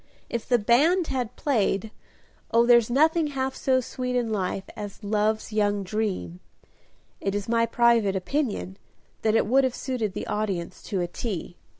If the band had played "Oh, there's nothing half so sweet in life As love's young dream " it is my private opinion that it would have suited the audience to a T.